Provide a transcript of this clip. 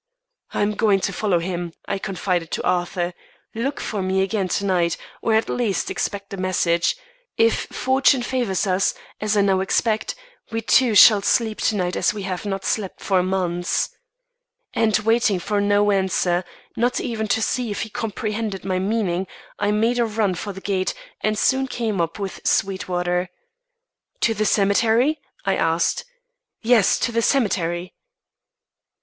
"I am going to follow him," I confided to Arthur. "Look for me again to night; or, at least, expect a message. If fortune favours us, as I now expect, we two shall sleep to night as we have not slept for months." And waiting for no answer, not even to see if he comprehended my meaning, I made a run for the gate, and soon came up with Sweetwater. "To the cemetery?" I asked. "Yes, to the cemetery."